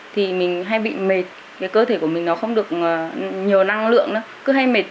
kia vậy thi bình thường nói